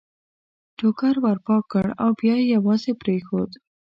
ټوکر ور پاک کړ او بیا یې یوازې پرېښود.